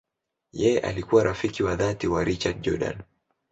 Yeye alikuwa rafiki wa dhati wa Richard Jordan.